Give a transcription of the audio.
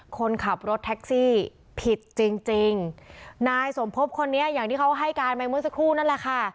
คนขับรถแท็กซี่ผิดจริงจริงนายสมภพคนนี้อย่างที่เขาให้การไปเมื่อสักครู่นั่นแหละค่ะ